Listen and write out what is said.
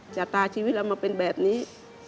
จากตาชีวิตมาเป็นแบบนี้